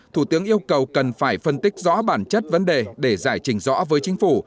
thủ tướng yêu cầu cần phải phân tích rõ bản chất vấn đề để giải trình rõ với chính phủ